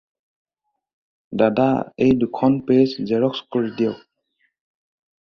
দাদা, এই দুখন পেজ জেৰ'ক্স কৰি দিয়ক।